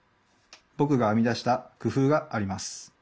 僕が編み出した工夫があります。